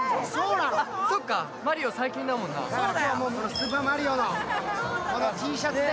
スーパーマリオのこのＴシャツで。